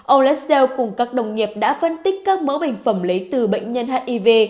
ông lassell cùng các đồng nghiệp đã phân tích các mẫu bệnh phẩm lấy từ bệnh nhân hiv